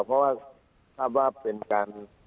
เพราะว่าทราบว่าเป็นการ